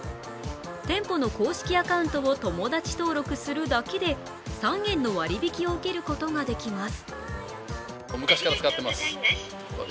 店舗の公式アカウントを友達登録するだけで３円の割り引きを受けることができます。